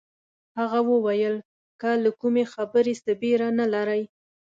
هغه وویل که له کومې خبرې څه بېره نه لرئ.